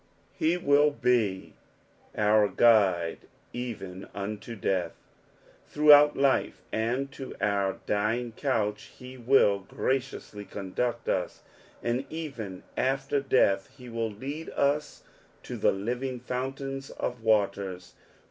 "&aiUbe our tfuide even wnia death." Throughout life, sod to our dying couch, he will graciously conduct us, and even ufter death be will lead us to the living fountains of waters.